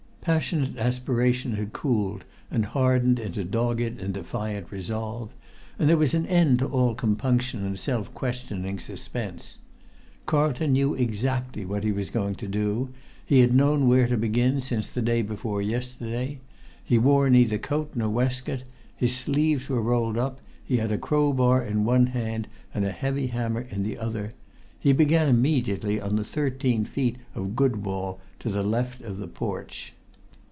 Passionate aspiration had cooled and hardened[Pg 117] into dogged and defiant resolve; and there was an end to all compunction and self questioning suspense. Carlton knew exactly what he was going to do; he had known where to begin since the day before yesterday. He wore neither coat nor waistcoat, his sleeves were rolled up, he had a crowbar in one hand, and a heavy hammer in the other. He began immediately on the thirteen feet of good wall to the left of the porch.